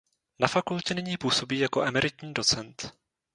Na fakultě nyní působí jako emeritní docent.